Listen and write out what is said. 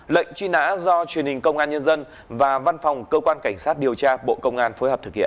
lệnh truy nã do truyền hình công an nhân dân và văn phòng cơ quan cảnh sát điều tra bộ công an phối hợp thực hiện